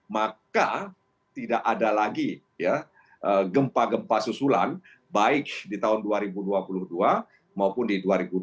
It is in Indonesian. maka tidak ada lagi gempa gempa susulan baik di tahun dua ribu dua puluh dua maupun di dua ribu dua puluh